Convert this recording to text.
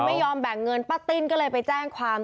ไม่ยอมแบ่งเงินป้าติ้นก็เลยไปแจ้งความ